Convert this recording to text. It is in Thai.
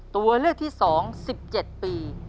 ตัวเลือกที่๒๑๗ปี